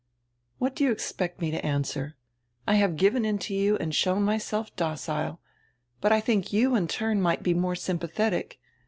"What do you expect me to answer? I have given in to you and shown myself docile, but I diink you in turn might be more sympathetic.